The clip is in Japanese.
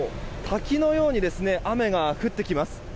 滝のように雨が降ってきます。